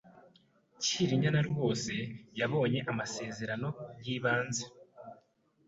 Cyrinyana rwose yabonye amasezerano yibanze.